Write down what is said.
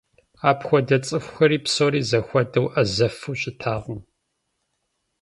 Апхуэдэ цӏыхухэри псори зэхуэдэу ӏэзэфу щытакъым.